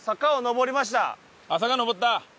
坂上った？